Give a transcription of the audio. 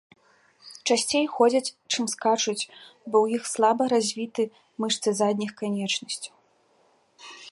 Часцей ходзяць, чым скачуць, бо у іх слаба развіты мышцы задніх канечнасцяў.